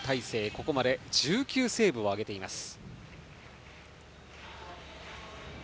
ここまで１９セーブを挙げています。